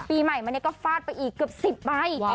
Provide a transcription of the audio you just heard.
ปีใหม่ก็ฟาดไปกี่อีกเกือบสิบใบ